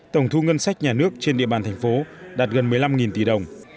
tổng thu ngân sách nhà nước trên địa bàn thành phố đạt gần một mươi năm tỷ đồng